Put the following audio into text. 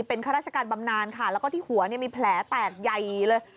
เป็นข้าราชการบำนานค่ะแล้วก็ที่หัวมีแผลแตกใหญ่เลย